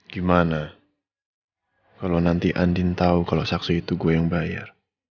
gimana kalau nanti andin tau kalo saksu itu gua yang bayar